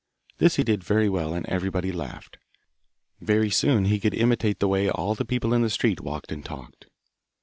This he did very well, and everybody laughed. Very soon he could imitate the way all the people in the street walked and talked.